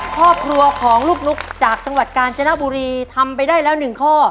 ครอบครัวของลูกนุ๊กจากจังหวัดกาญจนบุรีทำไปได้แล้ว๑ข้อ